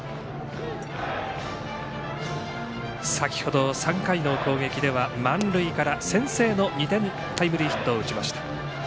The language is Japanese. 先ほど、３回の攻撃では満塁から先制の２点タイムリーヒットを打ちました。